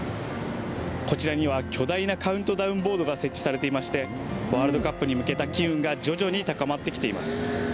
こちらには巨大なカウントダウンボードが設置されておりましてワールドカップに向けた機運が徐々に高まってきています。